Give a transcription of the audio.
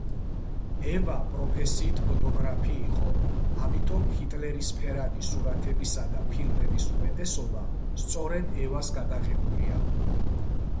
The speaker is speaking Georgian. ევა პროფესიით ფოტოგრაფი იყო, ამიტომ ჰიტლერის ფერადი სურათებისა და ფილმების უმეტესობა სწორედ ევას გადაღებულია.